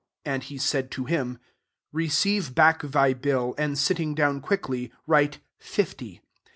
And he said to him, 'Receive Aack thy bill, and sit ting down quickly, write fifty.